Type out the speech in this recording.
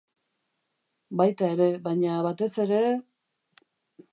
Baita ere, baina, batez ere...